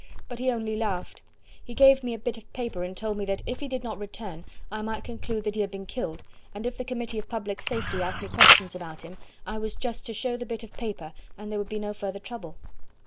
But he only laughed. He gave me a bit of paper and told me that if he did not return I might conclude that he had been killed, and if the Committee of Public Safety asked me questions about me, I was just to show the bit of paper and there would be no further trouble."